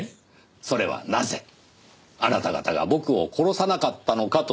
それはなぜあなた方が僕を殺さなかったのかという事です。